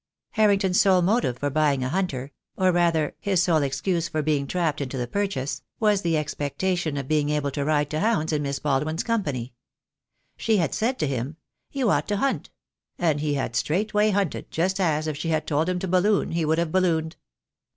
Harrington's sole motive for buying a hunter — or, rather, his sole excuse for being trapped into the purchase — was the expectation of being able to ride to hounds in Miss Baldwin's company. She had said to him "You ought to hunt," and he had straightway hunted, just as, if she had told him to balloon, he would have ballooned.